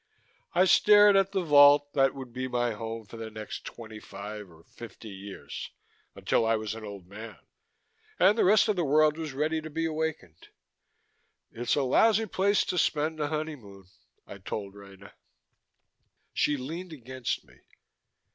I stared at the vault that would be my home for the next twenty five or fifty years until I was an old man, and the rest of the world was ready to be awakened. "It's a lousy place to spend a honeymoon," I told Rena. She leaned against me.